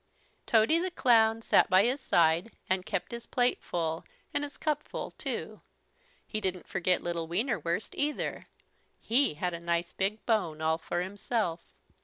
Tody the Clown sat by his side and kept his plate full and his cup full too. He didn't forget little Wienerwurst either. He had a nice big bone all for himself.